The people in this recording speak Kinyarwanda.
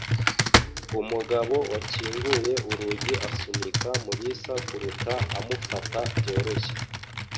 Umugabo wakinguye urugi asunika Mulisa kurukuta, amufata byoroshye.